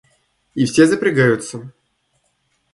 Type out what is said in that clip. И все запрягаются.